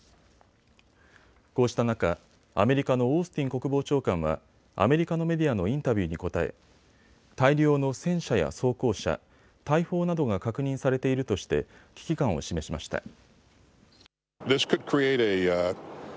こうした中、アメリカのオースティン国防長官はアメリカのメディアのインタビューに答え大量の戦車や装甲車、大砲などが確認されているとして危機感を示しました。